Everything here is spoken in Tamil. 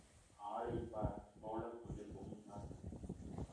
ஆளைப் பார், சோளக் கொல்லைப் பொம்மை மாதிரி.